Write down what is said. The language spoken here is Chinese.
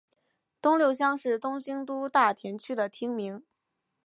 东六乡是东京都大田区的町名。